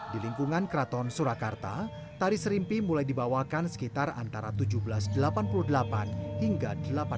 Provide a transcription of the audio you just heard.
di lingkungan keraton surakarta tari serimpi mulai dibawakan sekitar antara seribu tujuh ratus delapan puluh delapan hingga seribu delapan ratus delapan puluh